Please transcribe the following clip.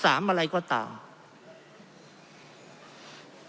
เพราะเรามี๕ชั่วโมงครับท่านนึง